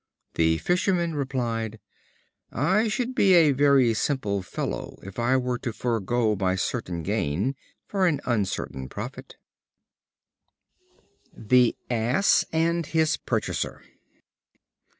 The fisherman replied: "I should be a very simple fellow, if I were to forego my certain gain for an uncertain profit." The Ass and his Purchaser.